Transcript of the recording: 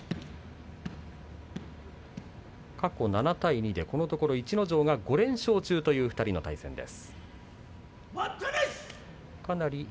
過去７対２で、このところ逸ノ城が５連勝中という２人の対戦です。